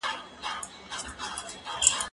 زه اوږده وخت کتابتوننۍ سره تېرووم